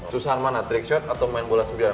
susahan mana trickshot atau main bola sembilan